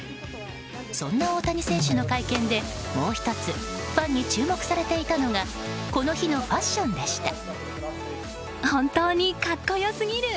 そんな大谷選手の会見でもう１つファンに注目されていたのがこの日のファッションでした。